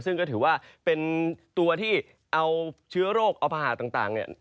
ซึ่งก็ถือว่าเป็นตัวที่เอาเชื้อโรคอภาหะต่างเนี่ย